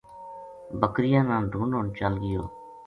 بکریاں نا ڈھُونڈن چل گیو